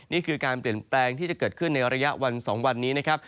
นี่คือการเปลี่ยนแปลงที่จะเกิดขึ้นในระยะวัน๒วันนี้นะครับ